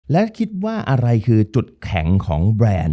และคิดว่าอะไรคือจุดแข็งของแบรนด์